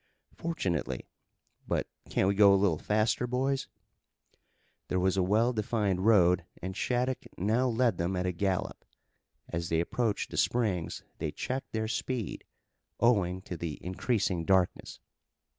"Fortunately. But can't we go a little faster, boys?" There was a well defined road and Shattuck now led them at a gallop. As they approached the springs they checked their speed, owing to the increasing darkness.